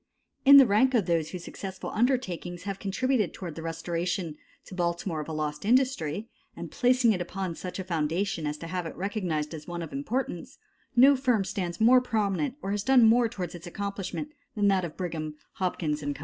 No. 16. In the rank of those whose successful undertakings have contributed towards the restoration to Baltimore of a lost industry, and placing it upon such a foundation as to have it recognized as one of importance, no firm stands more prominent or has done more towards its accomplishment than that of Brigham, Hopkins & Co.